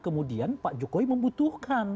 kemudian pak jokowi membutuhkan